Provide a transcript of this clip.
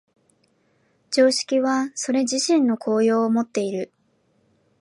常識はそれ自身の効用をもっている。